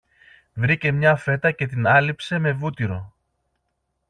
Βρήκε μια φέτα και την άλέιψε με βούτυρο